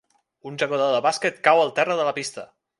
Un jugador de bàsquet cau al terra de la pista.